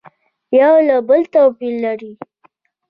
یو له بله تو پیر لري